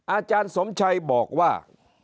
อาจารย์สมชัยบอกว่า